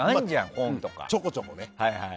ちょこちょこね。